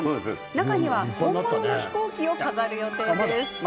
中には本物の飛行機を飾る予定です。